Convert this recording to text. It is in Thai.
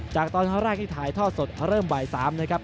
จากตอนแรกที่ถ่ายทอดสดเริ่มบ่าย๓นะครับ